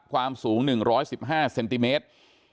ความสูง๑๑๕เซนติเมตร